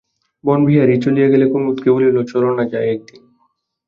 বনবিহারী চলিয়া গেলে কুমুদকে বলিল, চলো না যাই একদিন?